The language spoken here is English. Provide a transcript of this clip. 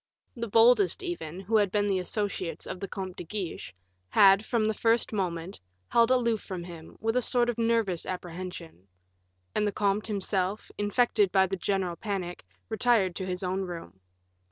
The boldest, even, who had been the associates of the Comte de Guiche, had, from the first moment, held aloof from him, with a sort of nervous apprehension; and the comte himself, infected by the general panic, retired to his own room.